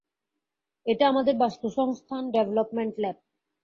এটা আমাদের বাস্তুসংস্থান development lab.